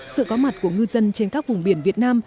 sự có mặt của ngư dân trên các vùng biển việt nam